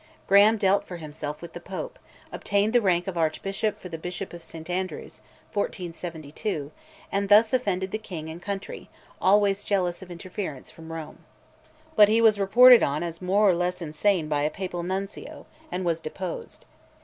Graham dealt for himself with the Pope, obtained the rank of Archbishop for the Bishop of St Andrews (1472), and thus offended the king and country, always jealous of interference from Rome. But he was reported on as more or less insane by a Papal Nuncio, and was deposed.